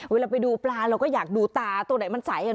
เวลาไปดูปลาเราก็อยากดูตาตัวไหนมันใส